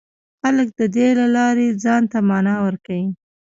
خلک د دې له لارې ځان ته مانا ورکوي.